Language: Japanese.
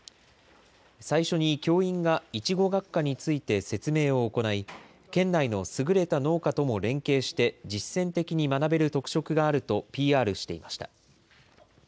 最初に教員がいちご学科について説明を行い、県内の優れた農家とも連携して、実践的に学べる特色があるとＰＲしていました。